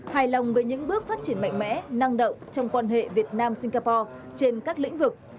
hài lòng với những bước phát triển mạnh mẽ năng động trong quan hệ việt nam singapore trên các lĩnh vực